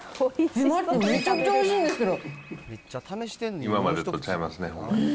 えっ、待って、めちゃくちゃおいしいんですけど。